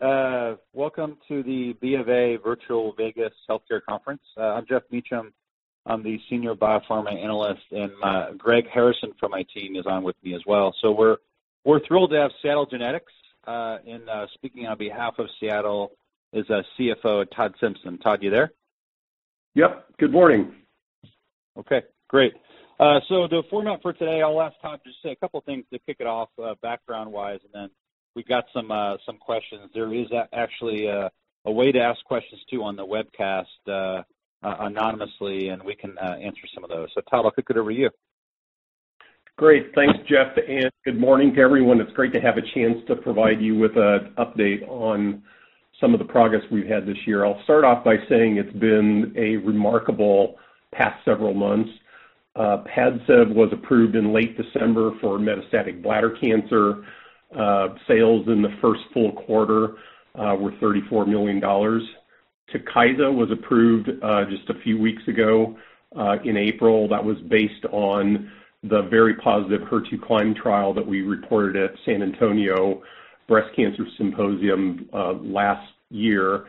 Welcome to the BofA Virtual Vegas Health Care Conference. I'm Geoff Beacham. I'm the Senior Pharma Analyst, and Greg Harrison from my team is on with me as well. We're thrilled to have Seattle Genetics. Speaking on behalf of Seattle is their CFO, Todd Simpson. Todd, you there? Yep. Good morning. Okay, great. The format for today, I'll ask Todd to just say a couple of things to kick it off background-wise, and then we've got some questions. There is actually a way to ask questions, too, on the webcast anonymously, and we can answer some of those. Todd, I'll kick it over to you. Great. Thanks, Jeff. Good morning to everyone. It's great to have a chance to provide you with an update on some of the progress we've had this year. I'll start off by saying it's been a remarkable past several months. PADCEV was approved in late December for metastatic bladder cancer. Sales in the first full quarter were $34 million. TUKYSA was approved just a few weeks ago in April. That was based on the very positive HER2CLIMB trial that we reported at San Antonio Breast Cancer Symposium last year.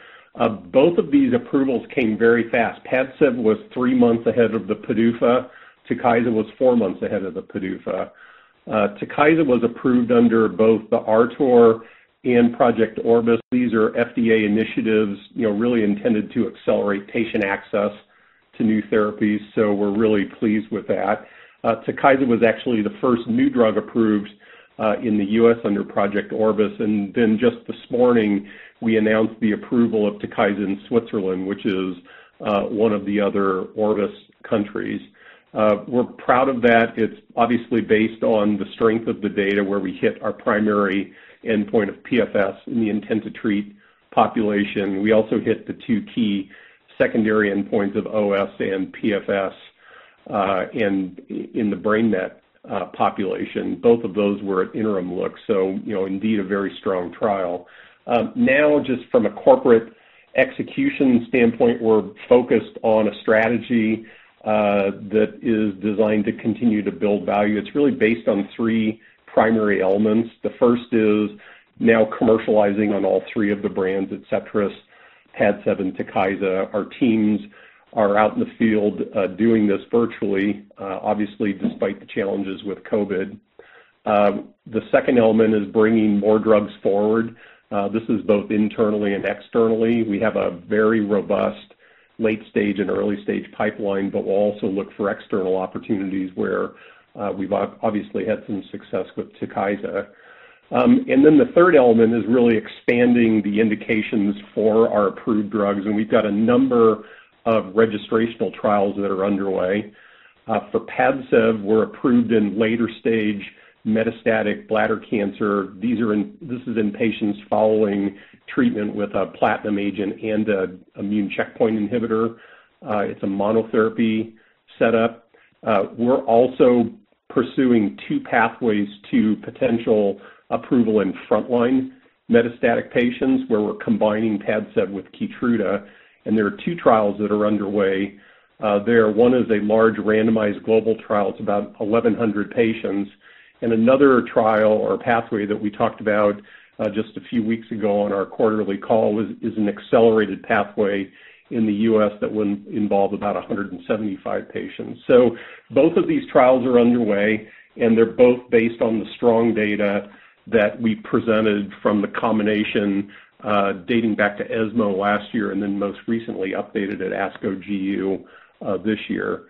Both of these approvals came very fast. PADCEV was three months ahead of the PDUFA. TUKYSA was four months ahead of the PDUFA. TUKYSA was approved under both the RTOR and Project Orbis. These are FDA initiatives really intended to accelerate patient access to new therapies, so we're really pleased with that. TUKYSA was actually the first new drug approved in the U.S. under Project Orbis. Just this morning, we announced the approval of TUKYSA in Switzerland, which is one of the other Orbis countries. We're proud of that. It's obviously based on the strength of the data where we hit our primary endpoint of PFS in the intent-to-treat population. We also hit the two key secondary endpoints of OS and PFS in the brain mets population. Both of those were at interim looks, indeed a very strong trial. Just from a corporate execution standpoint, we're focused on a strategy that is designed to continue to build value. It's really based on three primary elements. The first is now commercializing on all three of the brands, ADCETRIS, PADCEV, and TUKYSA. Our teams are out in the field doing this virtually, obviously despite the challenges with COVID. The second element is bringing more drugs forward. This is both internally and externally. We have a very robust late-stage and early-stage pipeline, but we'll also look for external opportunities where we've obviously had some success with TUKYSA. The third element is really expanding the indications for our approved drugs, and we've got a number of registrational trials that are underway. For PADCEV, we're approved in later-stage metastatic bladder cancer. This is in patients following treatment with a platinum agent and an immune checkpoint inhibitor. It's a monotherapy setup. We're also pursuing two pathways to potential approval in frontline metastatic patients, where we're combining PADCEV with KEYTRUDA, and there are two trials that are underway there. One is a large randomized global trial. It's about 1,100 patients. Another trial or pathway that we talked about just a few weeks ago on our quarterly call is an accelerated pathway in the U.S. that would involve about 175 patients. Both of these trials are underway, and they're both based on the strong data that we presented from the combination dating back to ESMO last year, and then most recently updated at ASCO GU this year.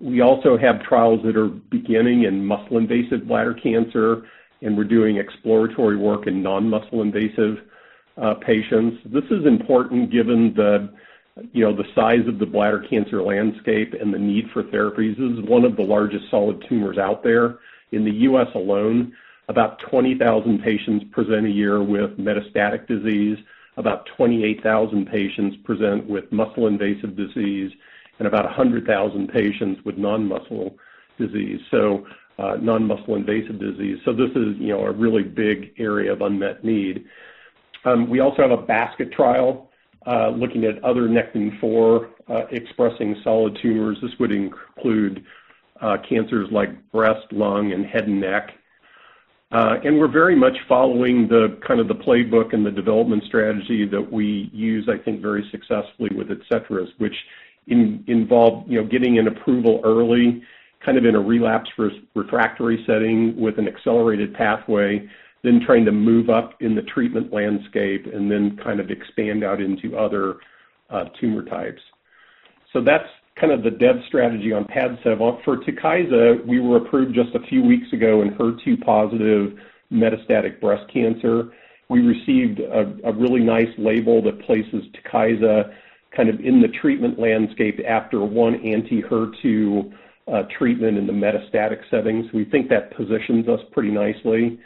We also have trials that are beginning in muscle-invasive bladder cancer, and we're doing exploratory work in non-muscle invasive patients. This is important given the size of the bladder cancer landscape and the need for therapies. This is one of the largest solid tumors out there. In the U.S. alone, about 20,000 patients present a year with metastatic disease, about 28,000 patients present with muscle-invasive disease, and about 100,000 patients with non-muscle invasive disease. This is a really big area of unmet need. We also have a basket trial looking at other Nectin-4 expressing solid tumors. This would include cancers like breast, lung, and head and neck. We're very much following the playbook and the development strategy that we use, I think, very successfully with ADCETRIS, which involved getting an approval early, kind of in a relapse refractory setting with an accelerated pathway, then trying to move up in the treatment landscape, and then kind of expand out into other tumor types. That's kind of the dev strategy on PADCEV. For TUKYSA, we were approved just a few weeks ago in HER2 positive metastatic breast cancer. We received a really nice label that places TUKYSA kind of in the treatment landscape after one anti-HER2 treatment in the metastatic settings. We think that positions us pretty nicely.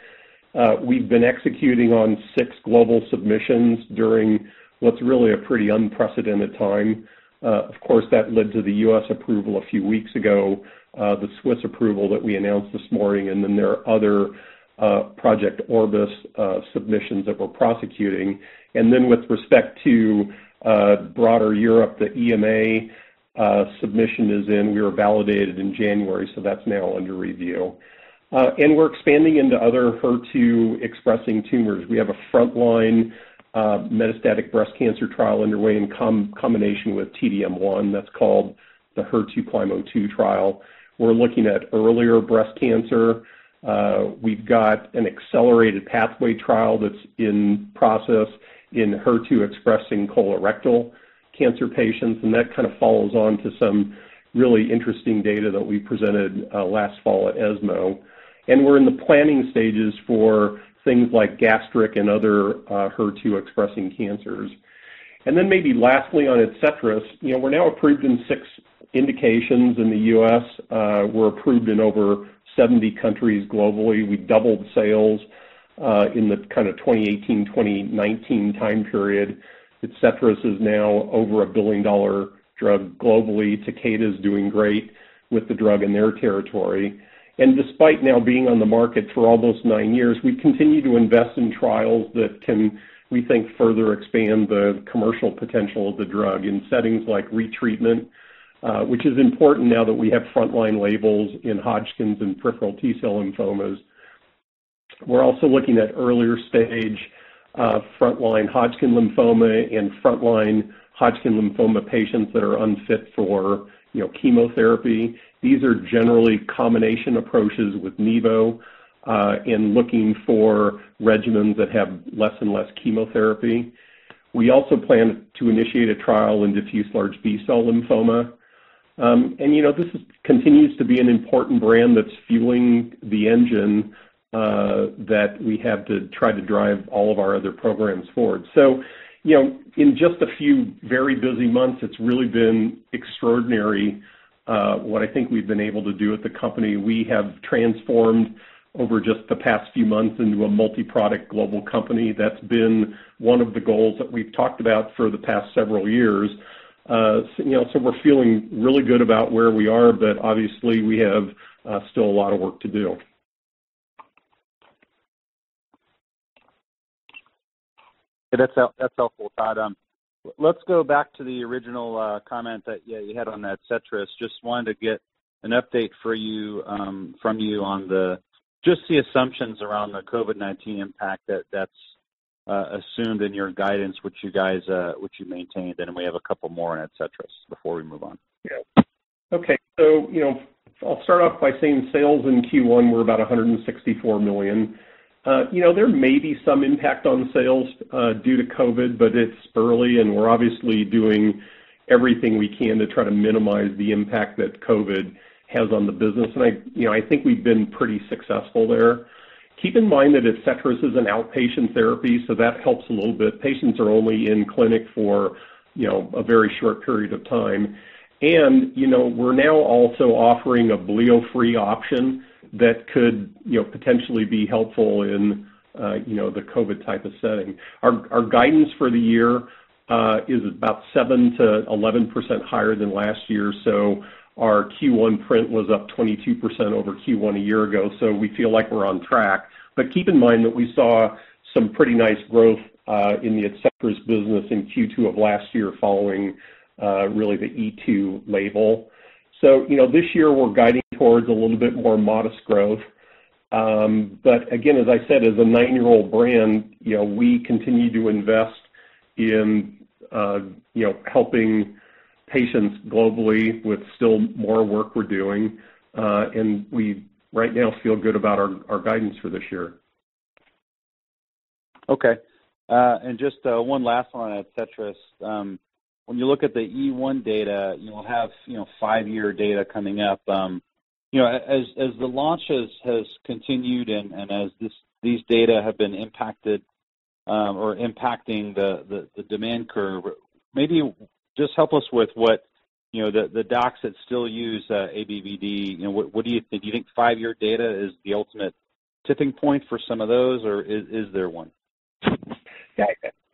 We've been executing on six global submissions during what's really a pretty unprecedented time. That led to the U.S. approval a few weeks ago, the Swiss approval that we announced this morning. There are other Project Orbis submissions that we're prosecuting. With respect to broader Europe, the EMA submission is in. We were validated in January. That's now under review. We're expanding into other HER2-expressing tumors. We have a frontline metastatic breast cancer trial underway in combination with T-DM1 that's called the HER2CLIMB-02 trial. We're looking at earlier breast cancer. We've got an accelerated pathway trial that's in process in HER2-expressing colorectal cancer patients. That kind of follows on to some really interesting data that we presented last fall at ESMO. We're in the planning stages for things like gastric and other HER2-expressing cancers. Maybe lastly on ADCETRIS, we're now approved in six indications in the U.S. We're approved in over 70 countries globally. We've doubled sales in the kind of 2018, 2019 time period. ADCETRIS is now over a billion-dollar drug globally. Takeda's doing great with the drug in their territory. Despite now being on the market for almost nine years, we continue to invest in trials that can, we think, further expand the commercial potential of the drug in settings like retreatment, which is important now that we have frontline labels in Hodgkin's and peripheral T-cell lymphomas. We're also looking at earlier stage frontline Hodgkin lymphoma and frontline Hodgkin lymphoma patients that are unfit for chemotherapy. These are generally combination approaches with nivo in looking for regimens that have less and less chemotherapy. We also plan to initiate a trial in diffuse large B-cell lymphoma. This continues to be an important brand that's fueling the engine that we have to try to drive all of our other programs forward. In just a few very busy months, it's really been extraordinary what I think we've been able to do at the company. We have transformed over just the past few months into a multi-product global company. That's been one of the goals that we've talked about for the past several years. We're feeling really good about where we are, but obviously, we have still a lot of work to do. That's helpful, Todd. Let's go back to the original comment that you had on ADCETRIS. I just wanted to get an update from you on just the assumptions around the COVID-19 impact that's assumed in your guidance, which you maintained. We have a couple more on ADCETRIS before we move on. Yeah. Okay. I'll start off by saying sales in Q1 were about $164 million. There may be some impact on sales due to COVID, it's early, we're obviously doing everything we can to try to minimize the impact that COVID has on the business. I think we've been pretty successful there. Keep in mind that ADCETRIS is an outpatient therapy, that helps a little bit. Patients are only in clinic for a very short period of time. We're now also offering a bleo-free option that could potentially be helpful in the COVID type of setting. Our guidance for the year is about 7%-11% higher than last year. Our Q1 print was up 22% over Q1 a year ago, we feel like we're on track. Keep in mind that we saw some pretty nice growth in the ADCETRIS business in Q2 of last year following really the ECHELON-2 label. This year, we're guiding towards a little bit more modest growth. Again, as I said, as a nine-year-old brand, we continue to invest in helping patients globally with still more work we're doing. We right now feel good about our guidance for this year. Okay. Just one last one on ADCETRIS. When you look at the ECHELON-1 data, you'll have five-year data coming up. As the launches has continued and as these data have been impacted or impacting the demand curve, maybe just help us with what the docs that still use ABVD, do you think five-year data is the ultimate tipping point for some of those, or is there one?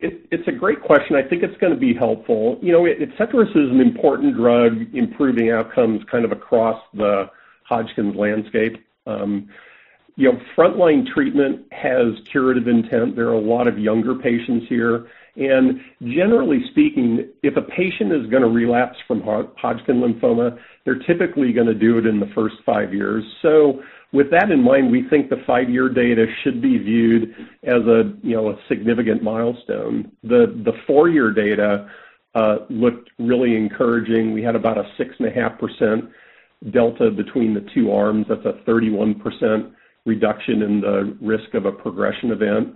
It's a great question. I think it's going to be helpful. ADCETRIS is an important drug, improving outcomes kind of across the Hodgkin lymphoma landscape. Frontline treatment has curative intent. There are a lot of younger patients here, and generally speaking, if a patient is going to relapse from Hodgkin lymphoma, they're typically going to do it in the first five years. With that in mind, we think the five-year data should be viewed as a significant milestone. The four-year data looked really encouraging. We had about a 6.5% delta between the two arms. That's a 31% reduction in the risk of a progression event.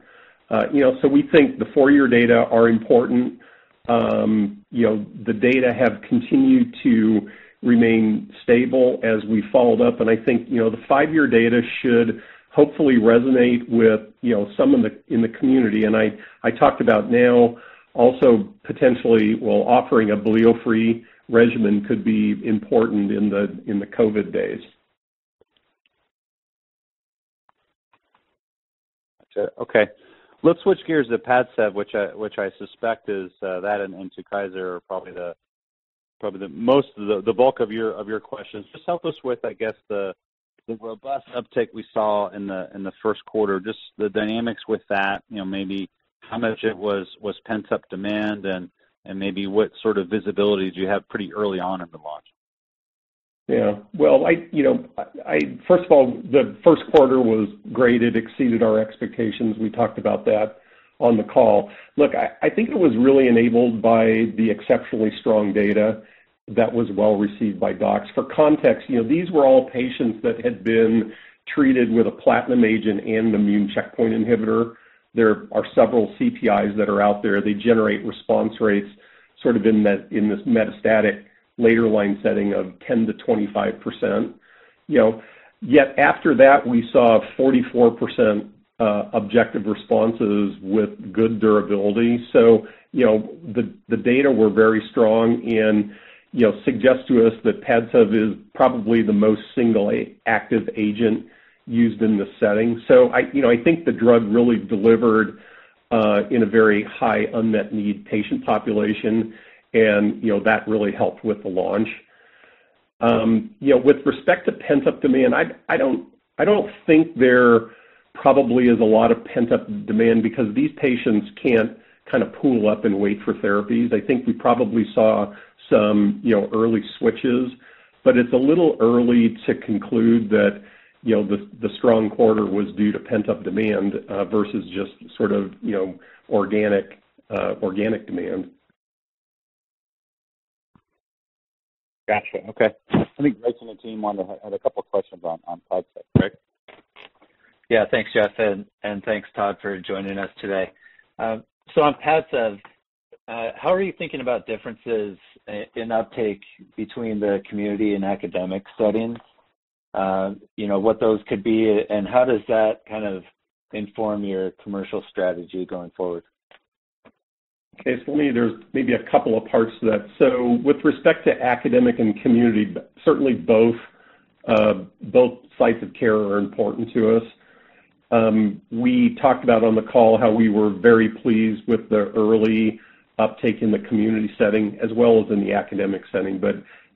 We think the four-year data are important. The data have continued to remain stable as we followed up, and I think the five-year data should hopefully resonate with some in the community. I talked about now also potentially, well, offering a bleo-free regimen could be important in the COVID days. Gotcha. Okay. Let's switch gears to PADCEV, which I suspect is, that and TUKYSA are probably the bulk of your questions. Just help us with, I guess, the robust uptake we saw in the first quarter, just the dynamics with that, maybe how much it was pent-up demand and maybe what sort of visibility do you have pretty early on in the launch? Well, first of all, the first quarter was great. It exceeded our expectations. We talked about that on the call. Look, I think it was really enabled by the exceptionally strong data that was well-received by docs. For context, these were all patients that had been treated with a platinum agent and immune checkpoint inhibitor. There are several CPIs that are out there. They generate response rates sort of in this metastatic later line setting of 10%-25%. Yet after that, we saw 44% objective responses with good durability. The data were very strong and suggest to us that PADCEV is probably the most singly active agent used in this setting. I think the drug really delivered in a very high unmet need patient population, and that really helped with the launch. With respect to pent-up demand, I don't think there probably is a lot of pent-up demand because these patients can't kind of pool up and wait for therapies. I think we probably saw some early switches, but it's a little early to conclude that the strong quarter was due to pent-up demand, versus just sort of organic demand. Got you. Okay. I think Greg and the team had a couple of questions on PADCEV. Greg? Yeah. Thanks, Jeff, and thanks, Todd, for joining us today. On PADCEV, how are you thinking about differences in uptake between the community and academic settings? What those could be, and how does that kind of inform your commercial strategy going forward? Okay, for me, there's maybe a couple of parts to that. With respect to academic and community, certainly both sides of care are important to us. We talked about on the call how we were very pleased with the early uptake in the community setting as well as in the academic setting.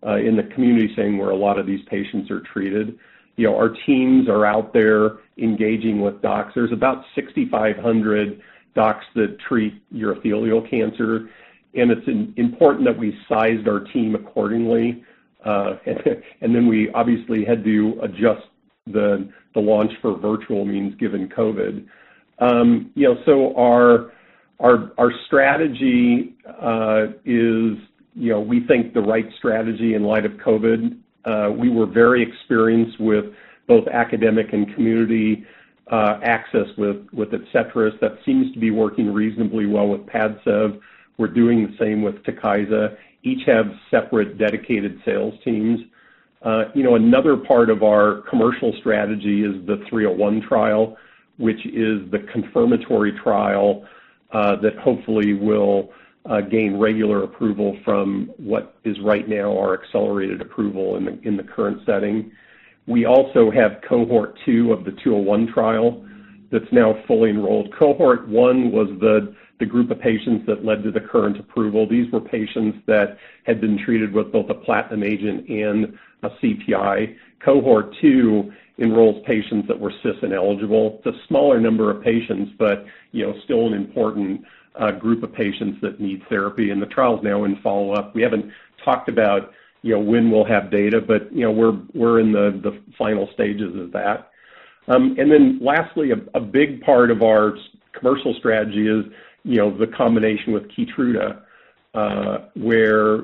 In the community setting, where a lot of these patients are treated, our teams are out there engaging with docs. There's about 6,500 docs that treat urothelial cancer, it's important that we sized our team accordingly. We obviously had to adjust the launch for virtual means given COVID. Our strategy is we think the right strategy in light of COVID. We were very experienced with both academic and community access with ADCETRIS. That seems to be working reasonably well with PADCEV. We're doing the same with Takeda. Each have separate dedicated sales teams. Another part of our commercial strategy is the 301 trial, which is the confirmatory trial that hopefully will gain regular approval from what is right now our accelerated approval in the current setting. We also have cohort 2 of the 201 trial that's now fully enrolled. Cohort 1 was the group of patients that led to the current approval. These were patients that had been treated with both a platinum agent and a CPI. Cohort 2 enrolls patients that were cis and eligible. It's a smaller number of patients, but still an important group of patients that need therapy. The trial's now in follow-up. We haven't talked about when we'll have data, but we're in the final stages of that. Lastly, a big part of our commercial strategy is the combination with Keytruda, where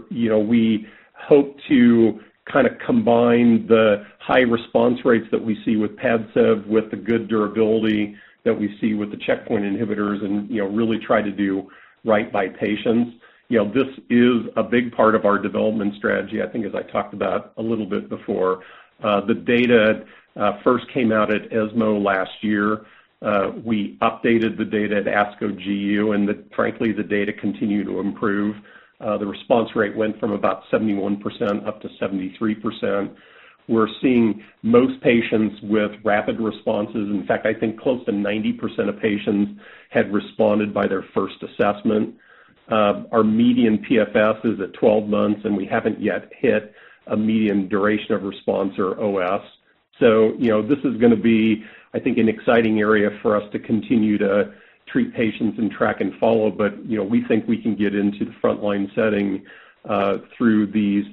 we hope to kind of combine the high response rates that we see with PADCEV, with the good durability that we see with the checkpoint inhibitors and really try to do right by patients. This is a big part of our development strategy, I think, as I talked about a little bit before. The data first came out at ESMO last year. We updated the data at ASCO GU, and frankly, the data continue to improve. The response rate went from about 71% up to 73%. We're seeing most patients with rapid responses. In fact, I think close to 90% of patients had responded by their first assessment. Our median PFS is at 12 months, and we haven't yet hit a median duration of response or OS. This is going to be, I think, an exciting area for us to continue to treat patients and track and follow. We think we can get into the frontline setting through these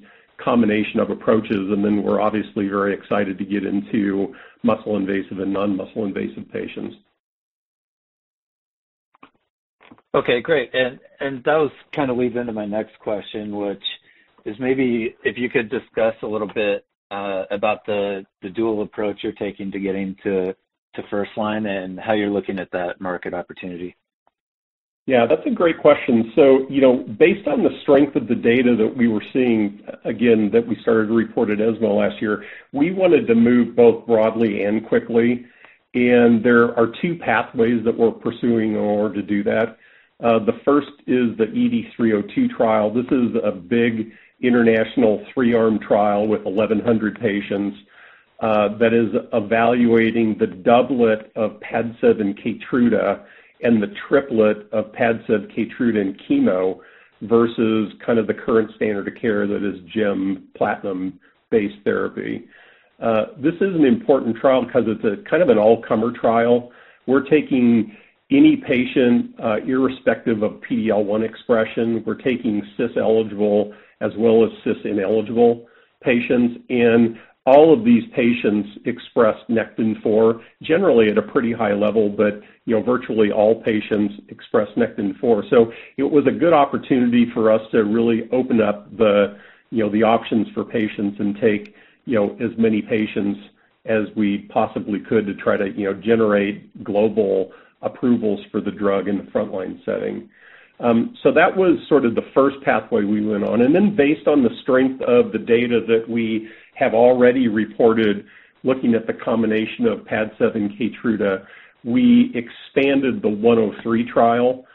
combination of approaches, and then we're obviously very excited to get into muscle-invasive and non-muscle-invasive patients. Okay, great. That kind of leads into my next question, which is maybe if you could discuss a little bit about the dual approach you're taking to getting to first line and how you're looking at that market opportunity. Yeah, that's a great question. Based on the strength of the data that we were seeing, again, that we started to report at ESMO last year, we wanted to move both broadly and quickly. There are two pathways that we're pursuing in order to do that. The first is the EV-302 trial. This is a big international 3-arm trial with 1,100 patients. That is evaluating the doublet of PADCEV and Keytruda and the triplet of PADCEV, Keytruda and chemo versus the current standard of care that is gem platinum-based therapy. This is an important trial because it's a kind of an all-comer trial. We're taking any patient, irrespective of PD-L1 expression. We're taking CIS-eligible as well as CIS-ineligible patients, and all of these patients express Nectin-4, generally at a pretty high level, but virtually all patients express Nectin-4. It was a good opportunity for us to really open up the options for patients and take as many patients as we possibly could to try to generate global approvals for the drug in the frontline setting. Based on the strength of the data that we have already reported, looking at the combination of PADCEV and Keytruda, we expanded the EV-103 trial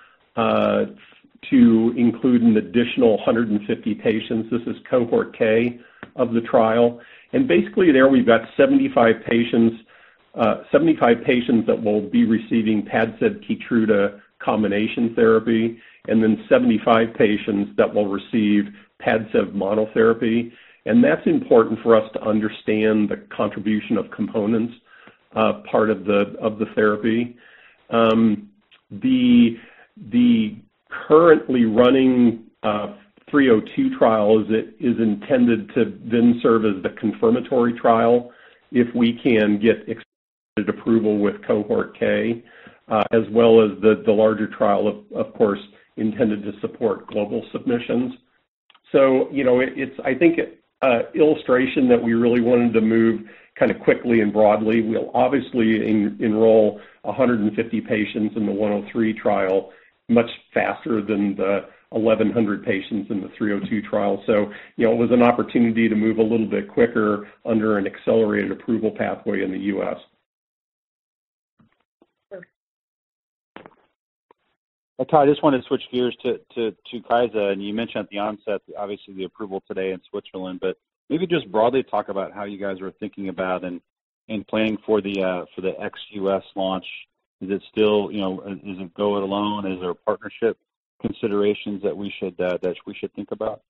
to include an additional 150 patients. This is cohort K of the trial. Basically there we've got 75 patients that will be receiving PADCEV, Keytruda combination therapy, and then 75 patients that will receive PADCEV monotherapy. That's important for us to understand the contribution of components part of the therapy. The currently running 302 trial is intended to serve as the confirmatory trial if we can get extended approval with cohort K, as well as the larger trial, of course, intended to support global submissions. I think an illustration that we really wanted to move kind of quickly and broadly. We'll obviously enroll 150 patients in the 103 trial much faster than the 1,100 patients in the 302 trial. It was an opportunity to move a little bit quicker under an accelerated approval pathway in the U.S. Well, Todd, I just wanted to switch gears to TUKYSA. You mentioned at the onset, obviously, the approval today in Switzerland, maybe just broadly talk about how you guys are thinking about and planning for the ex-U.S. launch. Is it go it alone? Is there partnership considerations that we should think about?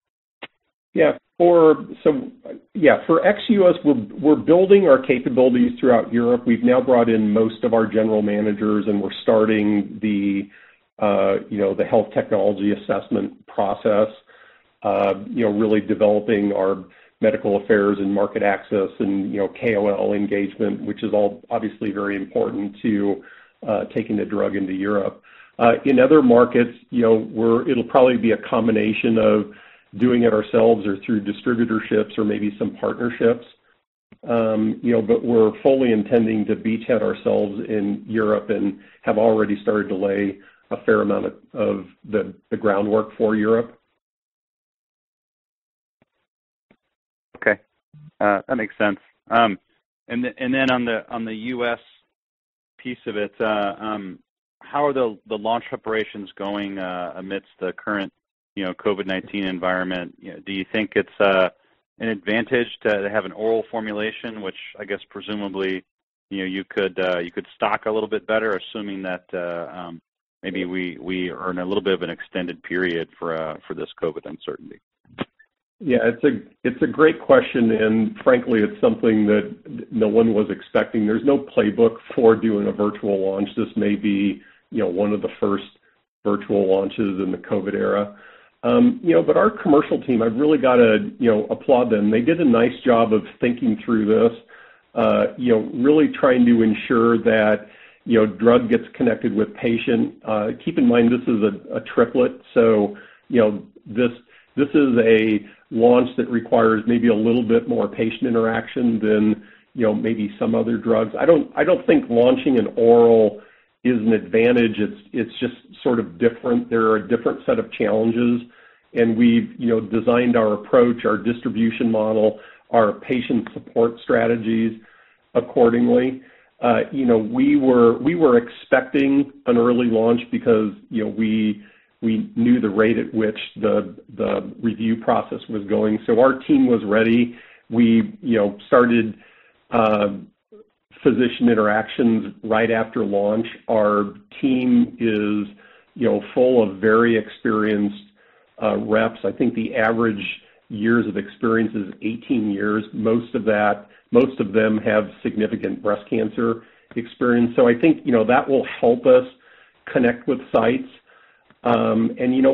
Yeah. For ex-U.S., we're building our capabilities throughout Europe. We've now brought in most of our general managers, and we're starting the health technology assessment process, really developing our medical affairs and market access and KOL engagement, which is all obviously very important to taking the drug into Europe. In other markets, it'll probably be a combination of doing it ourselves or through distributorships or maybe some partnerships. We're fully intending to beachhead ourselves in Europe and have already started to lay a fair amount of the groundwork for Europe. Okay. That makes sense. On the U.S. piece of it, how are the launch preparations going amidst the current COVID-19 environment? Do you think it's an advantage to have an oral formulation, which I guess presumably you could stock a little bit better, assuming that maybe we earn a little bit of an extended period for this COVID uncertainty? Yeah, it's a great question. Frankly, it's something that no one was expecting. There's no playbook for doing a virtual launch. This may be one of the first virtual launches in the COVID era. Our commercial team, I've really got to applaud them. They did a nice job of thinking through this, really trying to ensure that drug gets connected with patient. Keep in mind, this is a triplet. This is a launch that requires maybe a little bit more patient interaction than maybe some other drugs. I don't think launching an oral is an advantage. It's just sort of different. There are a different set of challenges. We've designed our approach, our distribution model, our patient support strategies accordingly. We were expecting an early launch because we knew the rate at which the review process was going. Our team was ready. We started physician interactions right after launch. Our team is full of very experienced reps. I think the average years of experience is 18 years. Most of them have significant breast cancer experience. I think that will help us connect with sites.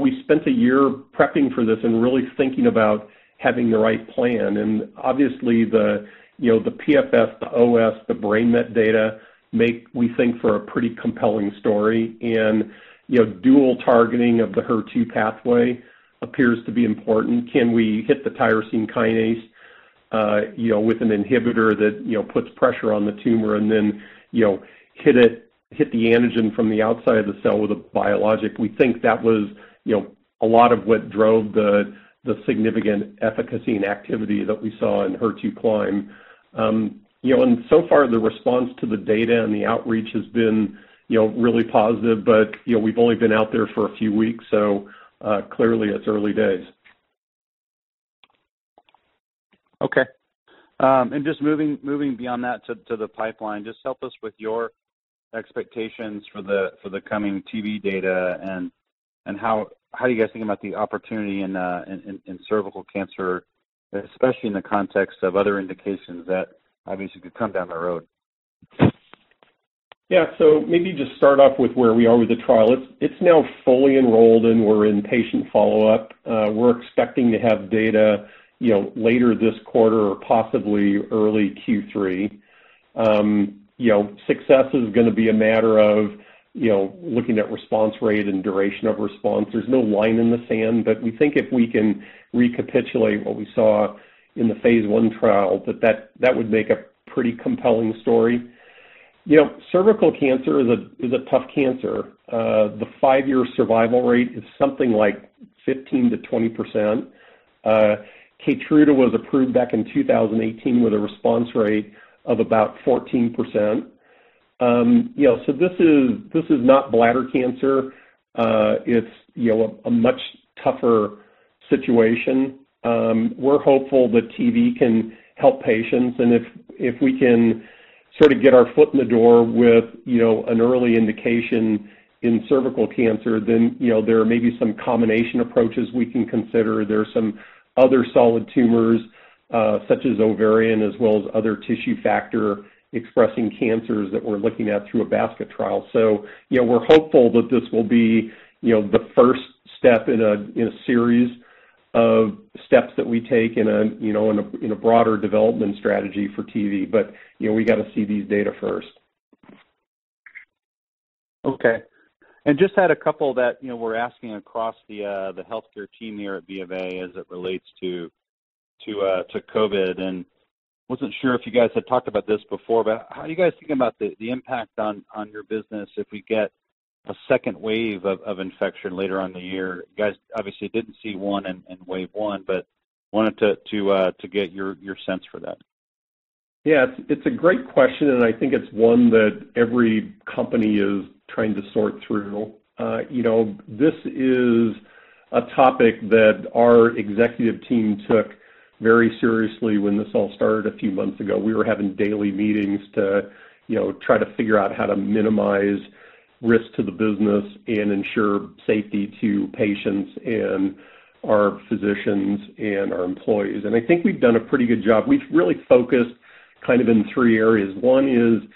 We spent a year prepping for this and really thinking about having the right plan. Obviously the PFS, the OS, the brain met data make, we think, for a pretty compelling story. Dual targeting of the HER2 pathway appears to be important. Can we hit the tyrosine kinase with an inhibitor that puts pressure on the tumor and then hit the antigen from the outside of the cell with a biologic? We think that was a lot of what drove the significant efficacy and activity that we saw in HER2CLIMB. So far, the response to the data and the outreach has been really positive, but we've only been out there for a few weeks, so clearly it's early days. Okay. Just moving beyond that to the pipeline, just help us with your expectations for the coming TIVDAK data and how you guys think about the opportunity in cervical cancer, especially in the context of other indications that obviously could come down the road. Yeah. Maybe just start off with where we are with the trial. It's now fully enrolled, and we're in patient follow-up. We're expecting to have data later this quarter or possibly early Q3. Success is going to be a matter of looking at response rate and duration of response. There's no line in the sand, but we think if we can recapitulate what we saw in the phase I trial, that would make a pretty compelling story. Cervical cancer is a tough cancer. The five-year survival rate is something like 15%-20%. Keytruda was approved back in 2018 with a response rate of about 14%. This is not bladder cancer. It's a much tougher situation. We're hopeful that TIVDAK can help patients, and if we can sort of get our foot in the door with an early indication in cervical cancer, then there are maybe some combination approaches we can consider. There are some other solid tumors, such as ovarian, as well as other tissue factor expressing cancers that we're looking at through a basket trial. We're hopeful that this will be the first step in a series of steps that we take in a broader development strategy for TIVDAK. We got to see these data first. Okay. Just had a couple that we're asking across the healthcare team here at BofA as it relates to COVID, and wasn't sure if you guys had talked about this before, but how are you guys thinking about the impact on your business if we get a second wave of infection later on the year? You guys obviously didn't see one in wave one. Wanted to get your sense for that. Yeah, it's a great question. I think it's one that every company is trying to sort through. This is a topic that our executive team took very seriously when this all started a few months ago. We were having daily meetings to try to figure out how to minimize risk to the business and ensure safety to patients and our physicians and our employees. I think we've done a pretty good job. We've really focused kind of in three areas. One is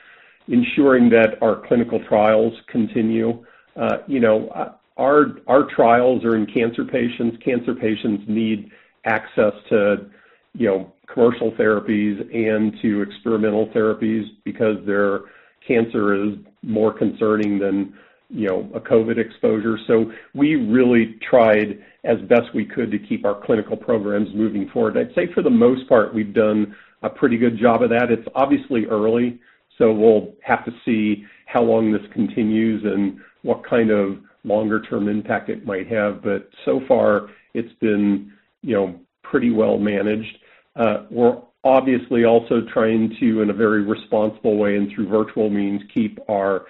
ensuring that our clinical trials continue. Our trials are in cancer patients. Cancer patients need access to commercial therapies and to experimental therapies because their cancer is more concerning than a COVID exposure. We really tried as best we could to keep our clinical programs moving forward. I'd say for the most part, we've done a pretty good job of that. It's obviously early, so we'll have to see how long this continues and what kind of longer term impact it might have. So far it's been pretty well managed. We're obviously also trying to, in a very responsible way and through virtual means, keep our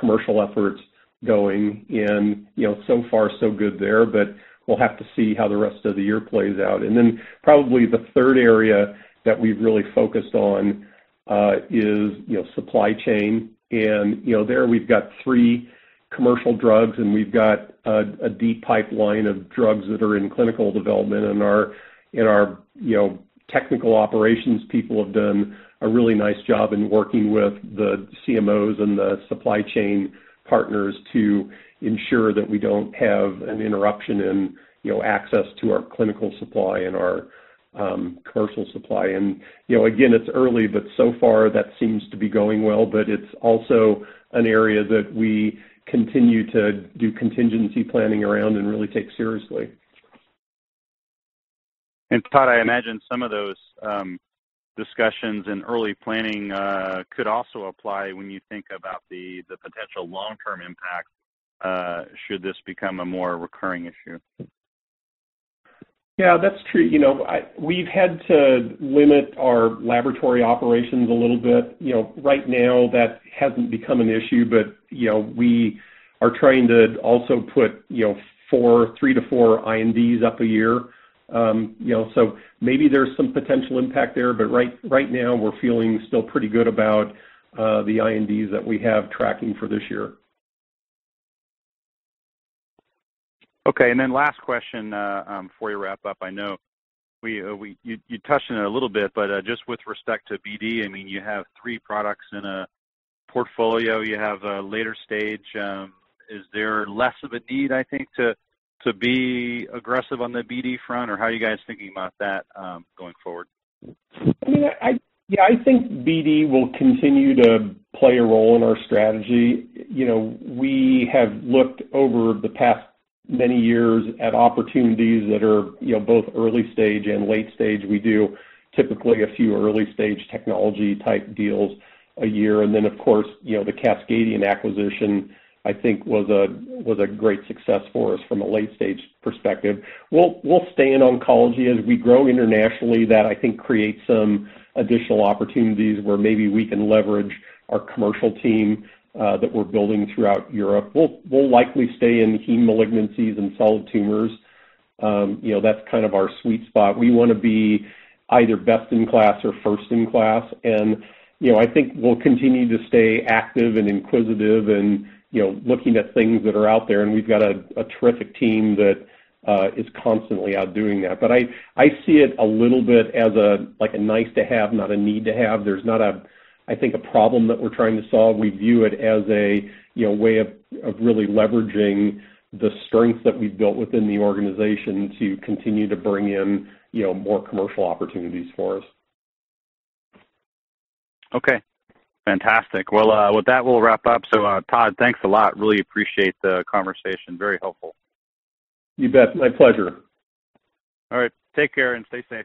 commercial efforts going, and so far so good there, but we'll have to see how the rest of the year plays out. Probably the third area that we've really focused on, is supply chain. There we've got three commercial drugs, and we've got a deep pipeline of drugs that are in clinical development, and our technical operations people have done a really nice job in working with the CMOs and the supply chain partners to ensure that we don't have an interruption in access to our clinical supply and our commercial supply. Again, it's early, but so far that seems to be going well. It's also an area that we continue to do contingency planning around and really take seriously. Todd, I imagine some of those discussions and early planning could also apply when you think about the potential long-term impact, should this become a more recurring issue. Yeah, that's true. We've had to limit our laboratory operations a little bit. Right now that hasn't become an issue, but we are trying to also put three to four INDs up a year. Maybe there's some potential impact there, but right now we're feeling still pretty good about the INDs that we have tracking for this year. Okay, last question before we wrap up. I know you touched on it a little bit, but just with respect to BD, you have three products in a portfolio. You have a later stage. Is there less of a need, I think, to be aggressive on the BD front? How are you guys thinking about that going forward? I think BD will continue to play a role in our strategy. We have looked over the past many years at opportunities that are both early stage and late stage. We do typically a few early stage technology type deals a year. Of course, the Cascadian acquisition I think was a great success for us from a late stage perspective. We'll stay in oncology. As we grow internationally, that I think creates some additional opportunities where maybe we can leverage our commercial team that we're building throughout Europe. We'll likely stay in heme malignancies and solid tumors. That's kind of our sweet spot. We want to be either best in class or first in class. I think we'll continue to stay active and inquisitive and looking at things that are out there, and we've got a terrific team that is constantly out doing that. I see it a little bit as a nice to have, not a need to have. There's not, I think, a problem that we're trying to solve. We view it as a way of really leveraging the strengths that we've built within the organization to continue to bring in more commercial opportunities for us. Okay. Fantastic. Well, with that, we'll wrap up. Todd, thanks a lot. Really appreciate the conversation. Very helpful. You bet. My pleasure. All right. Take care and stay safe.